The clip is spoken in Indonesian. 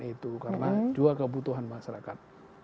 itu karena juga kebutuhan masyarakat